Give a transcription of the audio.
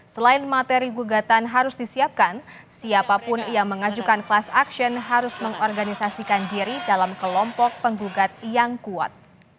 selain materi gugatan harus disiapkan siapapun yang mengajukan class action harus mengorganisasikan diri dalam kelompok penggugat yang kuat